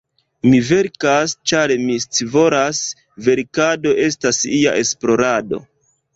Mi verkas, ĉar mi scivolas; verkado estas ia esplorado.